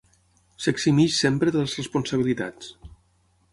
S'eximeix sempre de les responsabilitats.